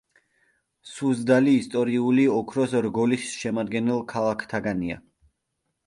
სუზდალი ისტორიული ოქროს რგოლის შემადგენელ ქალაქთაგანია.